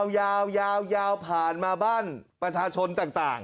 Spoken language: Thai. ยาวผ่านมาบ้านประชาชนต่าง